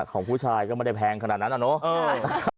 ของผู้ชายก็ไม่ได้แพงขนาดนั้นอะเนาะ